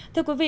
thưa quý vị